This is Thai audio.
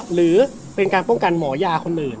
หรือเป็นการป้องกันหมอยาคนอื่น